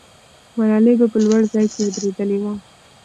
ملالۍ په لوړ ځای کې ودرېدلې وه.